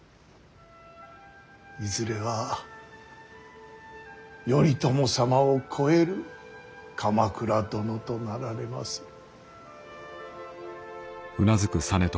いずれは頼朝様を超える鎌倉殿となられまする。